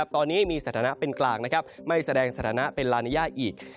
ตอนนี้มีสถานะเป็นกลางไม่แสดงสถานะเป็นลานิยาอีก